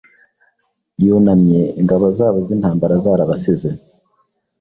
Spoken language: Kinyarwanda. Yunamye Ingabo zabo zintambara zarabasize